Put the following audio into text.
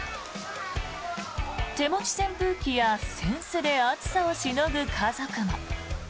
手持ち扇風機や扇子で暑さをしのぐ家族も。